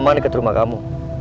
sama dekat rumah kamu